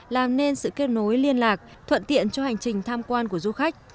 làm nên sự kết nối liên lạc thuận tiện cho hành trình tham quan của du khách